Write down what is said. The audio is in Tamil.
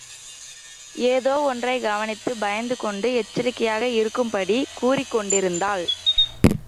ஏதோ ஒன்றைக் கவனித்துப் பயந்து கொண்டு எச்சரிக்கையாக இருக்கும்படி கூறிக் கொண்டிருந்தாள்.